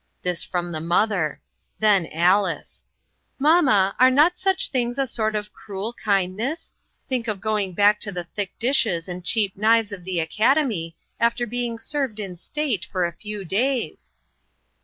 This from the mother. Then Alice : "Mamma, are not such things a sort of cruel kindness? Think of going back to the thick dishes and cheap knives of the academy after being served in state for a few days!"